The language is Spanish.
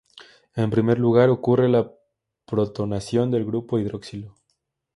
En primer lugar, ocurre la protonación del grupo hidroxilo.